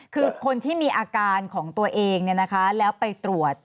คือคนที่มีอาการของตัวเองแล้วไปตรวจ